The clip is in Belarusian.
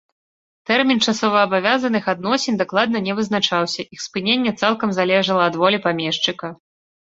Тэрмін часоваабавязаных адносін дакладна не вызначаўся, іх спыненне цалкам залежала ад волі памешчыка.